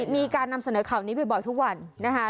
มีการนำเสนอข่าวนี้บ่อยทุกวันนะคะ